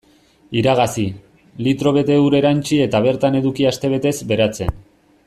Iragazi, litro bete ur erantsi eta bertan eduki astebetez beratzen.